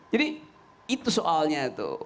jadi itu soalnya tuh